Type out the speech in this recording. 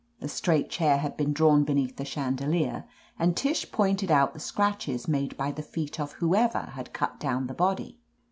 The straight chair had been drawn beneath the chandelier, and Tish pointed out the scratches made by the feet of whoever had cut down the body.